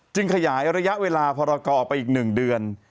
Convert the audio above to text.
ขยายระยะเวลาพรกรออกไปอีก๑เดือน